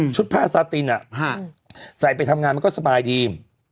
ผ้าซาตินใส่ไปทำงานมันก็สบายดี